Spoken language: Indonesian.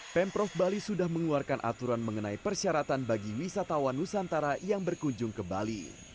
pemprov bali sudah mengeluarkan aturan mengenai persyaratan bagi wisatawan nusantara yang berkunjung ke bali